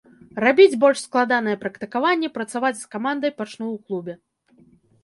Рабіць больш складаныя практыкаванні, працаваць з камандай пачну ў клубе.